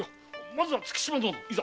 まずは月島殿いざいざ！